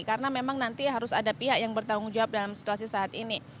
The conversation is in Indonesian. karena memang nanti harus ada pihak yang bertanggung jawab dalam situasi saat ini